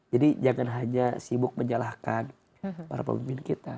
jadi jangan hanya sibuk menyalahkan para pemimpin kita